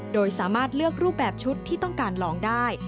โดยสามารถเลือกรูปแบบชุดที่ต้องการลองได้